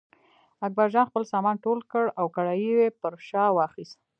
اکبرجان خپل سامان ټول کړ او کړایی یې پر شا واخیست.